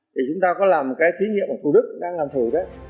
thì chúng ta có làm cái thí nghiệm của cụ đức đang làm thử đấy